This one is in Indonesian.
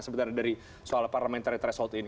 sebenarnya dari soal parliamentary threshold ini